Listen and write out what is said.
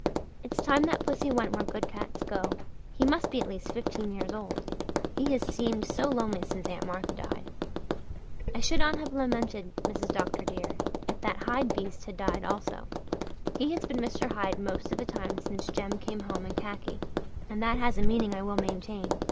"It's time that pussy went where good cats go. He must be at least fifteen years old. He has seemed so lonely since Aunt Martha died." "I should not have lamented, Mrs. Dr. dear, if that Hyde beast had died also. He has been Mr. Hyde most of the time since Jem came home in khaki, and that has a meaning I will maintain.